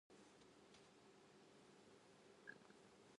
何してんの